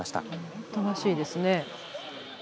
おとなしいですね。